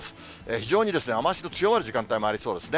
非常に雨足の強まる時間帯もありそうですね。